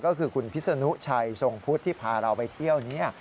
ก็คือคุณพิศนุชัยทรงพุทธที่พาเราไปเที่ยวนี้